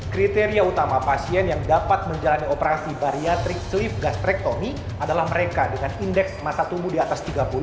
kriteria utama pasien yang dapat menjalani operasi bariatrik sleeve gastrectomy adalah mereka dengan indeks masa tumbuh di atas tiga puluh